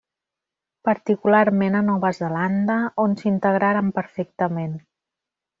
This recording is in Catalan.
Particularment a Nova Zelanda, on s'integraren perfectament.